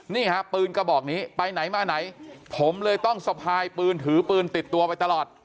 นี่ฮะปืนกระบอกนี้ไปไหนมาไหนผมเลยต้องสะพายปืนถือปืนติดตัวไปตลอด